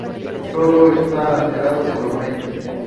Todo esto alentado por los medios.